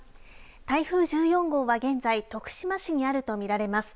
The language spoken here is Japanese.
台風１４号は現在徳島市にあるとみられます。